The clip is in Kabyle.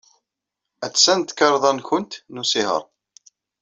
Attan tkarḍa-nwent n usihaṛ.